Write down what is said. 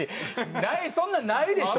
ないそんなんないでしょ。